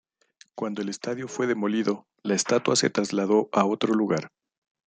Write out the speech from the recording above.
Cuando el estadio fue demolido, la estatua se trasladó a otro lugar.